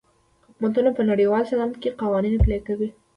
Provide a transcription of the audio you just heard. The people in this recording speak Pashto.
حکومتونه په نړیوال چلند کې قوانین پلي کوي